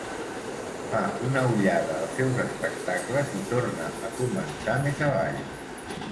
Fa una ullada als seus espectacles i torna a començar més avall.